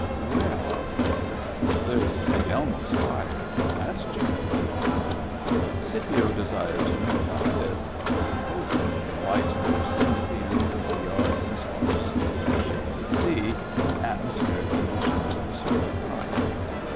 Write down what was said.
" Well," I pondered, " there's Saint Elmo's fire. That's genuine." Scipio desired to know about this, and I told him of the lights that are seen at the ends of the yards and spars of ships at sea in atmospheric conditions of a certain kind.